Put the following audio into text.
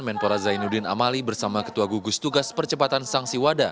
menpora zainuddin amali bersama ketua gugus tugas percepatan sanksi wada